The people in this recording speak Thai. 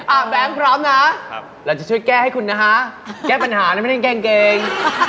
แบงค์พร้อมนะเราจะช่วยแก้ให้คุณนะฮะแก้ปัญหาแล้วไม่ได้เกรงเกง